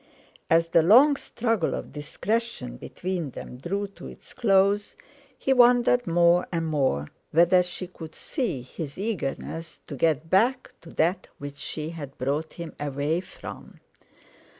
As the long struggle of discretion between them drew to its close, he wondered more and more whether she could see his eagerness to get back to that which she had brought him away from.